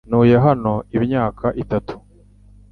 Ntuye hano imyaka itatu .